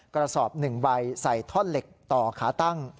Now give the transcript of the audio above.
กระสอบ๑ใบใส่ท่อนเหล็กต่อขาตั้ง